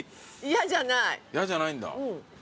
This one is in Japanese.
嫌じゃないんだ。